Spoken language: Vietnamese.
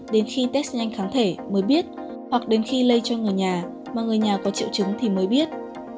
đến khi test nhanh kháng thể mới biết hoặc đến khi lây cho người nhà mà người nhà có triệu chứng thì mới biết